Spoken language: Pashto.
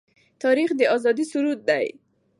تاریخ د آزادۍ سرود دی.